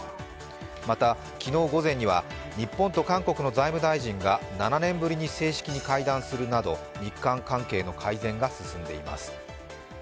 また、昨日午前には日本と韓国の財務大臣が７年ぶりに正式に会談するなど日韓関係の改善が進んでいます。